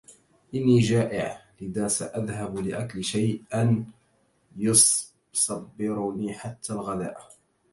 إني جائع لذا سأذهب لآكل شيئا يصبّرني حتى الغداء.